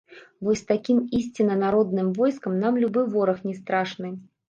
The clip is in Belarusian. Вось з такім ісцінна народным войскам нам любы вораг не страшны.